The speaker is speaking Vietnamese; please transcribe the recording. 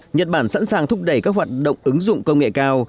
nhật bản sẵn sàng thúc đẩy các hoạt động ứng dụng công nghệ cao